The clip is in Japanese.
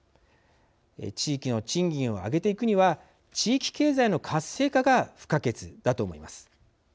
地域の賃金を上げていくには地域経済の活性化が不可欠だと思います。